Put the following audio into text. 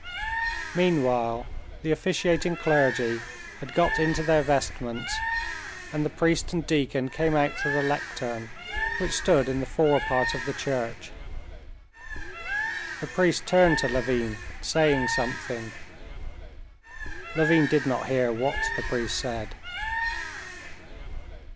Meanwhile the officiating clergy had got into their vestments, and the priest and deacon came out to the lectern, which stood in the forepart of the church. The priest turned to Levin saying something. Levin did not hear what the priest said.